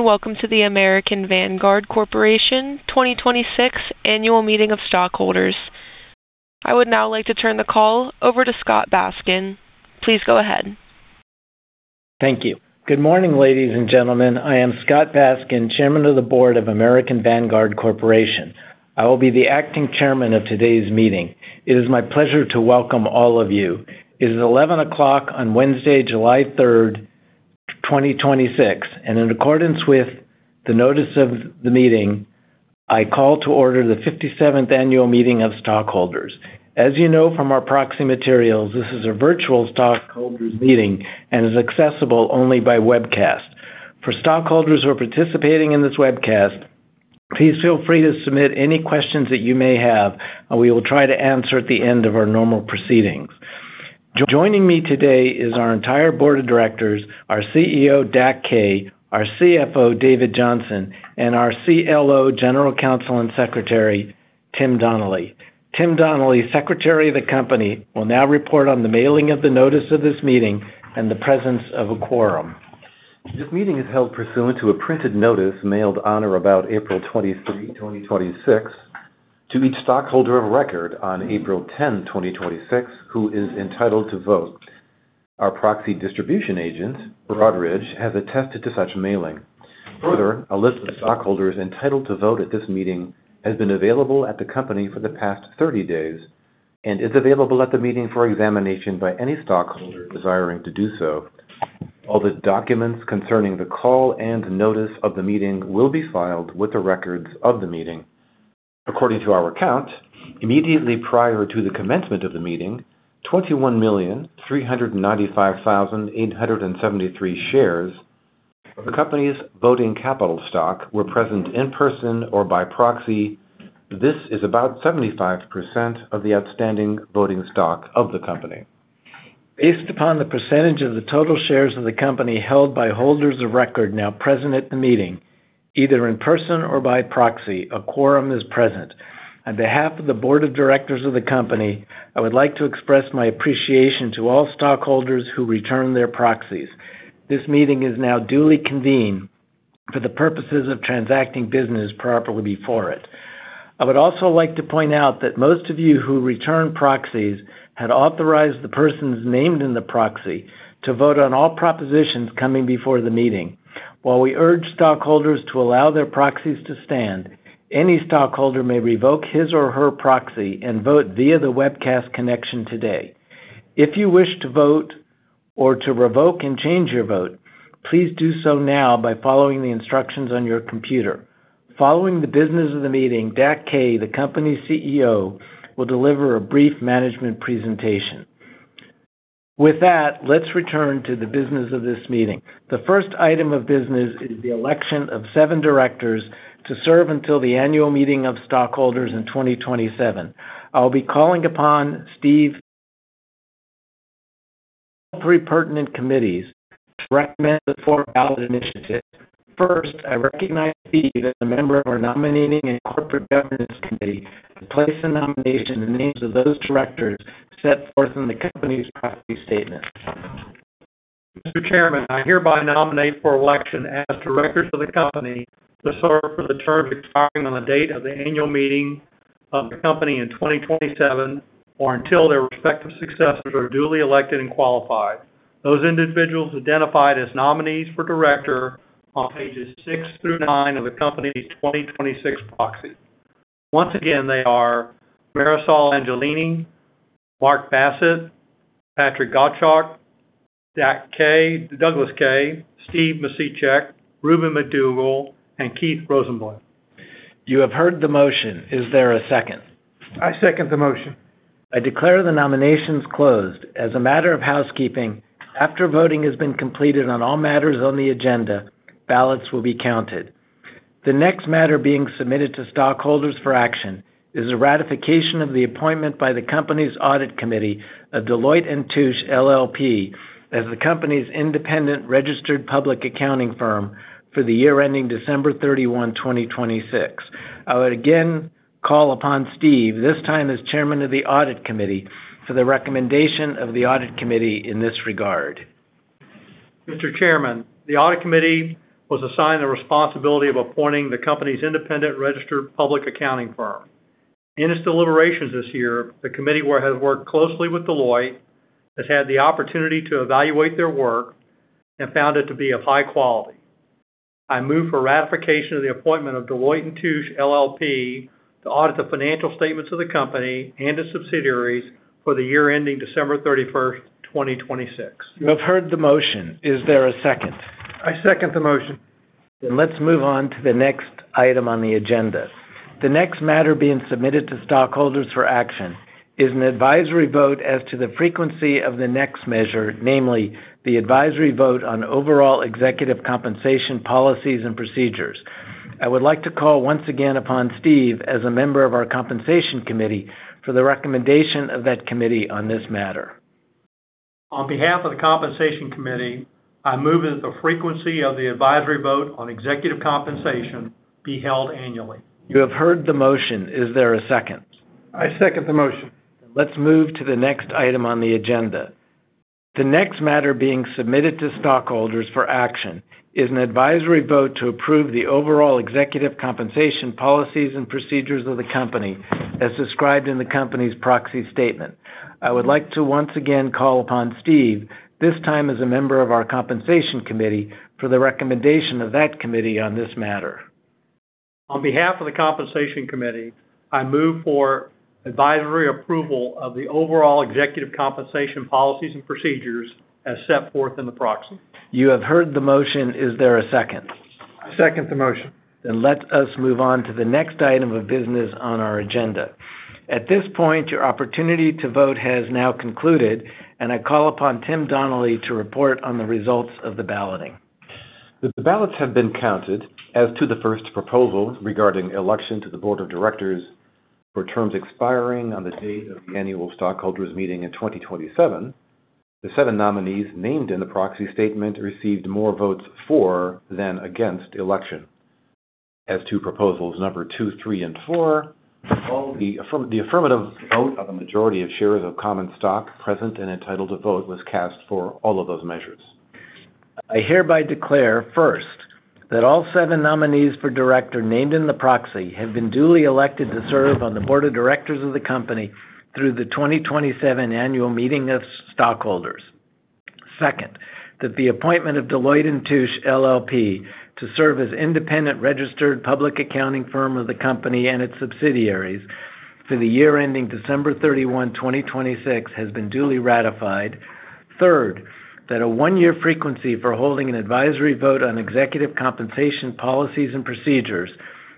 Welcome to the American Vanguard Corporation 2026 Annual Meeting of Stockholders. I would now like to turn the call over to Scott Baskin. Please go ahead. Thank you. Good morning, ladies and gentlemen. I am Scott Baskin, Chairman of the Board of American Vanguard Corporation. I will be the Acting Chairman of today's meeting. It is my pleasure to welcome all of you. It is 11:00 A.M. on Wednesday, July 3rd, 2026, and in accordance with the notice of the meeting, I call to order the 57th Annual Meeting of Stockholders. As you know from our proxy materials, this is a virtual stockholders meeting and is accessible only by webcast. For stockholders who are participating in this webcast, please feel free to submit any questions that you may have, and we will try to answer at the end of our normal proceedings. Joining me today is our entire Board of Directors, our CEO, Dak Kaye, our CFO, David Johnson, and our CIO, General Counsel, and Secretary, Tim Donnelly. Tim Donnelly, Secretary of the company, will now report on the mailing of the notice of this meeting and the presence of a quorum. This meeting is held pursuant to a printed notice mailed on or about April 23rd, 2026, to each stockholder of record on April 10, 2026, who is entitled to vote. Our proxy distribution agent, Broadridge, has attested to such mailing. Further, a list of stockholders entitled to vote at this meeting has been available at the company for the past 30 days and is available at the meeting for examination by any stockholder desiring to do so. All the documents concerning the call and notice of the meeting will be filed with the records of the meeting. According to our count, immediately prior to the commencement of the meeting, 21,395,873 shares of the company's voting capital stock were present in person or by proxy. This is about 75% of the outstanding voting stock of the company. Based upon the percentage of the total shares of the company held by holders of record now present at the meeting, either in person or by proxy, a quorum is present. On behalf of the board of directors of the company, I would like to express my appreciation to all stockholders who returned their proxies. This meeting is now duly convened for the purposes of transacting business properly before it. I would also like to point out that most of you who returned proxies had authorized the persons named in the proxy to vote on all propositions coming before the meeting. While we urge stockholders to allow their proxies to stand, any stockholder may revoke his or her proxy and vote via the webcast connection today. If you wish to vote or to revoke and change your vote, please do so now by following the instructions on your computer. Following the business of the meeting, Dak Kaye, the company's CEO, will deliver a brief management presentation. With that, let's return to the business of this meeting. The first item of business is the election of seven directors to serve until the annual meeting of stockholders in 2027. I'll be calling upon Steve, three pertinent committees to recommend the four ballot initiatives. First, I recognize Steve as a member of our nominating and corporate governance committee to place the nomination in the names of those directors set forth in the company's proxy statement. Mr. Chairman, I hereby nominate for election as directors of the company to serve for the term expiring on the date of the annual meeting of the company in 2027, or until their respective successors are duly elected and qualified, those individuals identified as nominees for director on pages six through nine of the company's 2026 proxy. Once again, they are Marisol Angelini, Mark Bassett, Patrick Gottschalk, Dak Kaye, Douglas Kaye, Steve Macicek, Ruben McDougal, and Keith Rosenbloom. You have heard the motion. Is there a second? I second the motion. I declare the nominations closed. As a matter of housekeeping, after voting has been completed on all matters on the agenda, ballots will be counted. The next matter being submitted to stockholders for action is a ratification of the appointment by the company's audit committee of Deloitte & Touche LLP as the company's independent registered public accounting firm for the year ending December 31, 2026. I would again call upon Steve, this time as chairman of the audit committee, for the recommendation of the audit committee in this regard. Mr. Chairman, the audit committee was assigned the responsibility of appointing the company's independent registered public accounting firm. In its deliberations this year, the committee has worked closely with Deloitte, has had the opportunity to evaluate their work, and found it to be of high quality. I move for ratification of the appointment of Deloitte & Touche LLP to audit the financial statements of the company and its subsidiaries for the year ending December 31st, 2026. You have heard the motion. Is there a second? I second the motion. Let's move on to the next item on the agenda. The next matter being submitted to stockholders for action is an advisory vote as to the frequency of the next measure, namely the advisory vote on overall executive compensation policies and procedures. I would like to call once again upon Steve as a member of our compensation committee for the recommendation of that committee on this matter. On behalf of the compensation committee, I move that the frequency of the advisory vote on executive compensation be held annually. You have heard the motion. Is there a second? I second the motion. Let's move to the next item on the agenda. The next matter being submitted to stockholders for action is an advisory vote to approve the overall executive compensation policies and procedures of the company as described in the company's proxy statement. I would like to once again call upon Steve, this time as a member of our Compensation Committee, for the recommendation of that committee on this matter. On behalf of the Compensation Committee, I move for advisory approval of the overall executive compensation policies and procedures as set forth in the proxy. You have heard the motion. Is there a second? I second the motion. Let us move on to the next item of business on our agenda. At this point, your opportunity to vote has now concluded, and I call upon Tim Donnelly to report on the results of the balloting. The ballots have been counted as to the first proposal regarding election to the board of directors for terms expiring on the date of the annual stockholders meeting in 2027. The seven nominees named in the proxy statement received more votes for than against election. As to proposals number two, three, and four, the affirmative vote of a majority of shares of common stock present and entitled to vote was cast for all of those measures. I hereby declare, first, that all seven nominees for director named in the proxy have been duly elected to serve on the board of directors of the company through the 2027 annual meeting of stockholders. Second, that the appointment of Deloitte & Touche LLP to serve as independent registered public accounting firm of the company and its subsidiaries for the year ending December 31, 2026, has been duly ratified. Third, that a one-year frequency for holding an advisory vote on executive compensation policies and procedures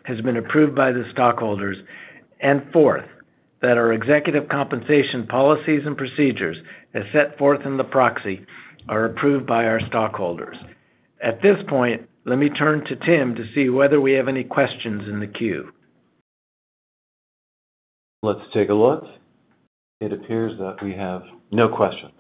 has been approved by the stockholders. Fourth, that our executive compensation policies and procedures, as set forth in the proxy, are approved by our stockholders. At this point, let me turn to Tim to see whether we have any questions in the queue. Let's take a look. It appears that we have no questions.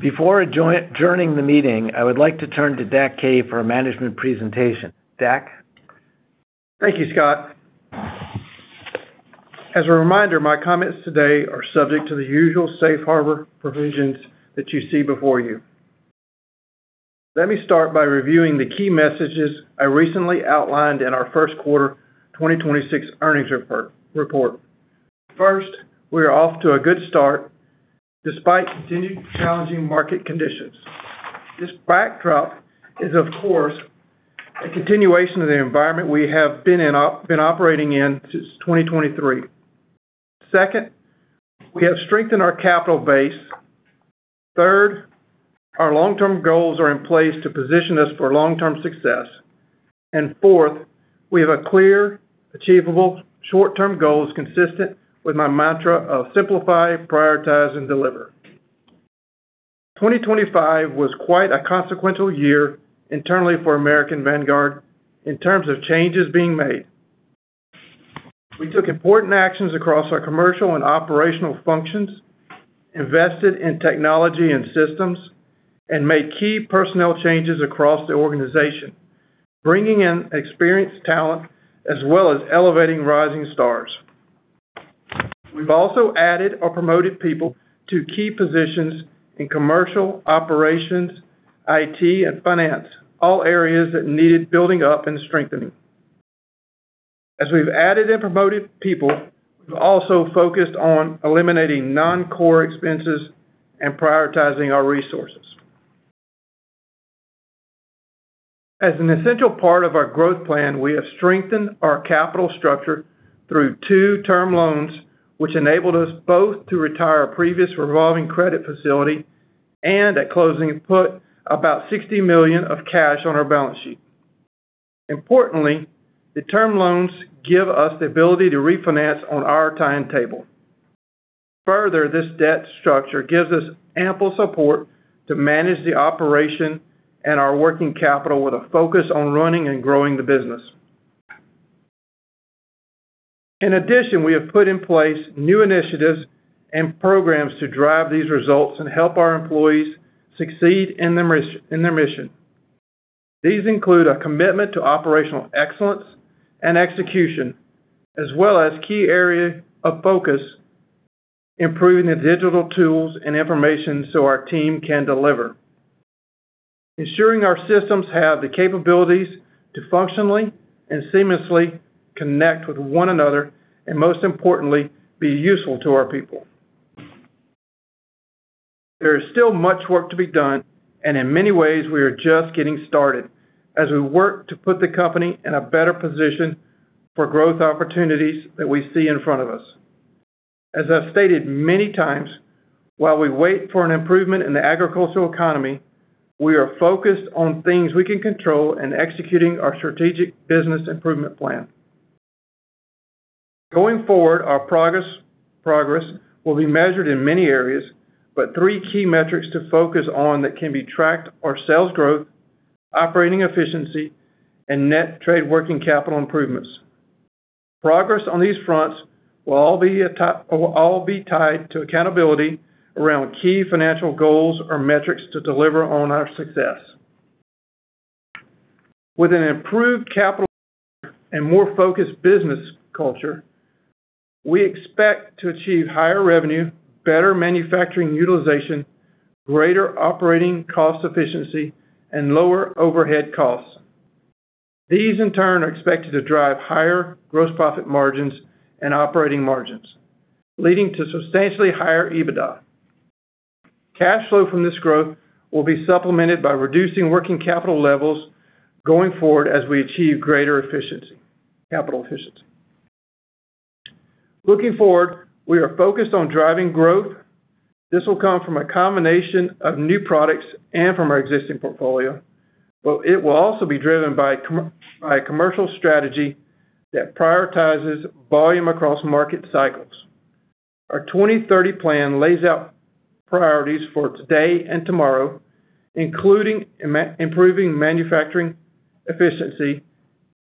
Before adjourning the meeting, I would like to turn to Dak Kaye for a management presentation. Dak? Thank you, Scott. As a reminder, my comments today are subject to the usual safe harbor provisions that you see before you. Let me start by reviewing the key messages I recently outlined in our first quarter 2026 earnings report. First, we are off to a good start despite continued challenging market conditions. This backdrop is, of course, a continuation of the environment we have been operating in since 2023. Second, we have strengthened our capital base. Third, our long-term goals are in place to position us for long-term success. Fourth, we have clear, achievable short-term goals consistent with my mantra of simplify, prioritize, and deliver. 2025 was quite a consequential year internally for American Vanguard in terms of changes being made. We took important actions across our commercial and operational functions, invested in technology and systems, and made key personnel changes across the organization, bringing in experienced talent as well as elevating rising stars. We've also added or promoted people to key positions in commercial, operations, IT, and finance, all areas that needed building up and strengthening. As we've added and promoted people, we've also focused on eliminating non-core expenses and prioritizing our resources. As an essential part of our growth plan, we have strengthened our capital structure through two term loans, which enabled us both to retire a previous revolving credit facility and at closing put about $60 million of cash on our balance sheet. Importantly, the term loans give us the ability to refinance on our timetable. Further, this debt structure gives us ample support to manage the operation and our working capital with a focus on running and growing the business. In addition, we have put in place new initiatives and programs to drive these results and help our employees succeed in their mission. These include a commitment to operational excellence and execution, as well as key area of focus, improving the digital tools and information so our team can deliver. Ensuring our systems have the capabilities to functionally and seamlessly connect with one another, and most importantly, be useful to our people. There is still much work to be done, and in many ways, we are just getting started as we work to put the company in a better position for growth opportunities that we see in front of us. As I've stated many times, while we wait for an improvement in the agricultural economy, we are focused on things we can control and executing our strategic business improvement plan. Going forward, our progress will be measured in many areas, but three key metrics to focus on that can be tracked are sales growth, operating efficiency, and net trade working capital improvements. Progress on these fronts will all be tied to accountability around key financial goals or metrics to deliver on our success. With an improved capital and more focused business culture, we expect to achieve higher revenue, better manufacturing utilization, greater operating cost efficiency, and lower overhead costs. These in turn are expected to drive higher gross profit margins and operating margins, leading to substantially higher EBITDA. Cash flow from this growth will be supplemented by reducing working capital levels going forward as we achieve greater efficiency, capital efficiency. Looking forward, we are focused on driving growth. This will come from a combination of new products and from our existing portfolio. It will also be driven by a commercial strategy that prioritizes volume across market cycles. Our 2030 plan lays out priorities for today and tomorrow, including improving manufacturing efficiency,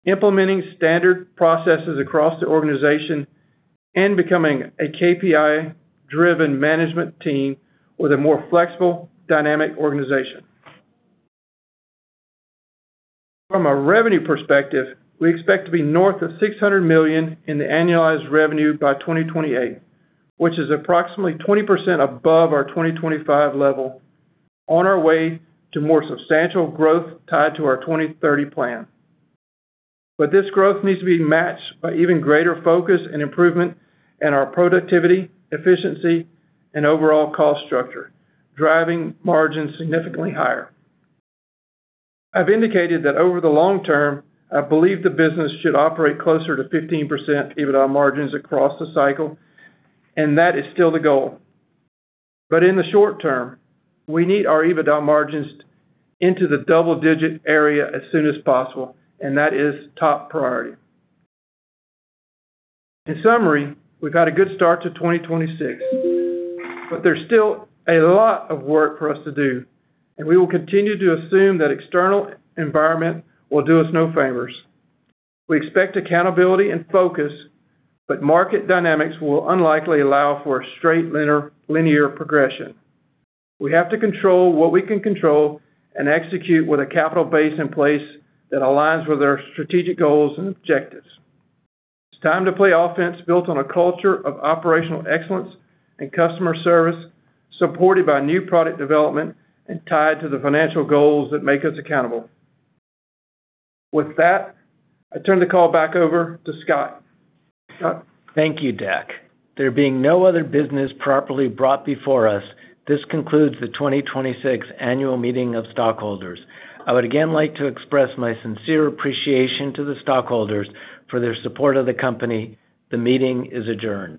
implementing standard processes across the organization, and becoming a KPI-driven management team with a more flexible, dynamic organization. From a revenue perspective, we expect to be north of $600 million in the annualized revenue by 2028, which is approximately 20% above our 2025 level, on our way to more substantial growth tied to our 2030 plan. This growth needs to be matched by even greater focus and improvement in our productivity, efficiency, and overall cost structure, driving margins significantly higher. I've indicated that over the long term, I believe the business should operate closer to 15% EBITDA margins across the cycle, and that is still the goal. In the short term, we need our EBITDA margins into the double-digit area as soon as possible, and that is top priority. In summary, we've had a good start to 2026. There's still a lot of work for us to do, and we will continue to assume that external environment will do us no favors. We expect accountability and focus, but market dynamics will unlikely allow for a straight linear progression. We have to control what we can control and execute with a capital base in place that aligns with our strategic goals and objectives. It's time to play offense built on a culture of operational excellence and customer service, supported by new product development and tied to the financial goals that make us accountable. With that, I turn the call back over to Scott. Scott? Thank you, Dak. There being no other business properly brought before us, this concludes the 2026 Annual Meeting of Stockholders. I would again like to express my sincere appreciation to the stockholders for their support of the company. The meeting is adjourned.